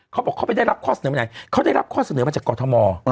เขาบอกเขาไปได้รับข้อเสนอมาไหนเขาได้รับข้อเสนอมาจากกรทม